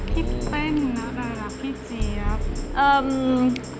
พี่เต้นนรารักพี่เจฟ